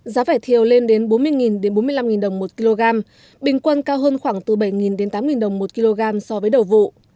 giá vải thiều lên đến bốn mươi bốn mươi năm đồng một kg bình quân cao hơn khoảng từ bảy đến tám đồng một kg so với đầu vụ